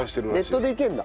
ネットでいけるんだ？